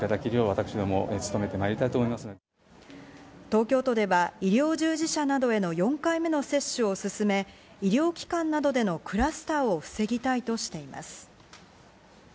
東京都では医療従事者などへの４回目の接種を進め、医療機関などでのクラスターを防ぎたいとしています。